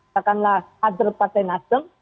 seakanlah hadir partai nasdem